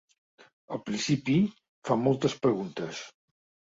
Al principi, fa moltes preguntes.